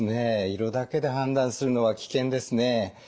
色だけで判断するのは危険ですね。